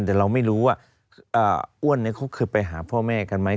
แต่เราไม่รู้ว่าอ้วนเขาเคยไปหาพ่อแม่กันไหม